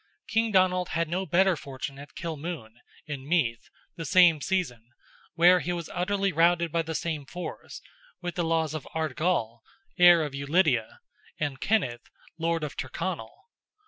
King Donald had no better fortune at Killmoon, in Meath, the same season, where he was utterly routed by the same force, with the loss of Ardgal, heir of Ulidia, and Kenneth, lord of Tyrconnell.